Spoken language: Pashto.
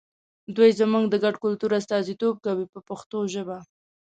دوی زموږ د ګډ کلتور استازیتوب کوي په پښتو ژبه.